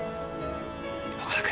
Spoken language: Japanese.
「岡田君。